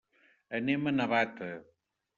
Anem a Navata.